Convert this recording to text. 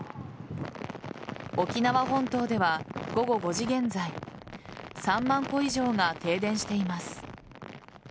沖縄本島では午後５時現在３万戸以上が停電しています。